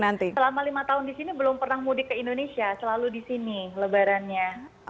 selama lima tahun di sini belum pernah mudik ke indonesia selalu di sini lebarannya